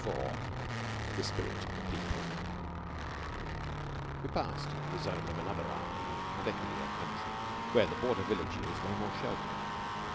IV THE SPIRIT OF THE PEOPLE We passed into the zone of another army and a hillier country, where the border villages lay more sheltered.